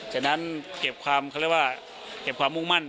ฉะนั้นเก็บความเขาเรียกว่าเก็บความมุ่งมั่น